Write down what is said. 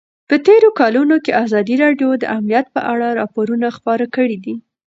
په تېرو کلونو کې ازادي راډیو د امنیت په اړه راپورونه خپاره کړي دي.